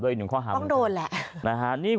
โดยอีกหนึ่งข้อหามเหมือนกันนะครับนะฮะนี่